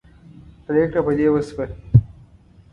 پرېکړه په دې وشوه.